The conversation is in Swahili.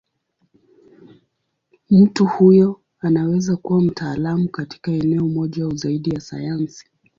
Mtu huyo anaweza kuwa mtaalamu katika eneo moja au zaidi ya sayansi.